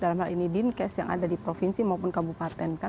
dalam hal ini dinkes yang ada di provinsi maupun kabupaten kan